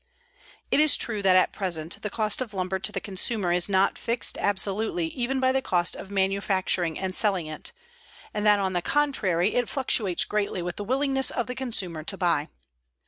It is true that at present the cost of lumber to the consumer is not fixed absolutely even by the cost of manufacturing and selling it, and that on the contrary it fluctuates greatly with the willingness of the consumer to buy.